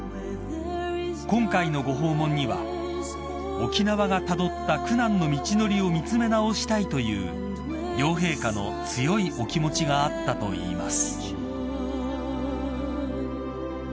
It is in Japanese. ［今回のご訪問には沖縄がたどった苦難の道のりを見詰め直したいという両陛下の強いお気持ちがあったといいます］